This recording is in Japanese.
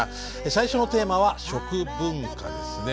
最初のテーマは「食文化」ですね。